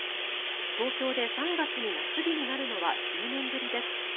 東京で３月に夏日になるのは１０年ぶりです。